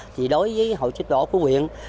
thì đối với hội chức độ của quyện